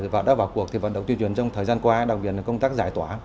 và đã vào cuộc thì vận động tuyên truyền trong thời gian qua đặc biệt là công tác giải tỏa